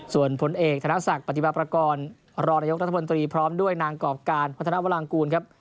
ส่วนผลเอกธนศักดิ์ปฏิมาประกอบรองนายกรัฐมนตรีพร้อมด้วยนางกรอบการพัฒนาวรางกูลครับ